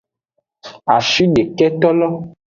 Ashideketolo.